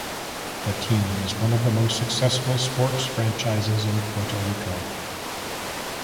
The team is one of the most successful sport's franchises in Puerto Rico.